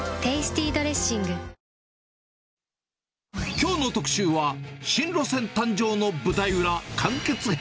きょうの特集は、新路線誕生の舞台裏完結編。